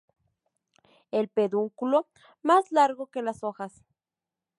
El pedúnculo más largo que las hojas.